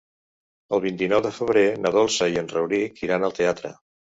El vint-i-nou de febrer na Dolça i en Rauric iran al teatre.